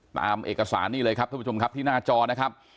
ตามเอกสารนี่เลยครับท่านผู้ชมครับที่หน้าจอนะครับ